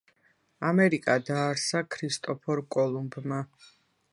ამერიკა დაარსა ქრისტოფორ კოლუმბმა.